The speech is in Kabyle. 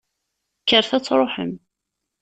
Kkret ad truḥem!